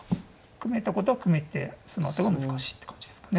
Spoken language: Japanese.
組めたことは組めてそのあとが難しいって感じですかね。